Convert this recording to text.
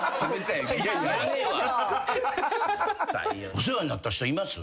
お世話になった人います？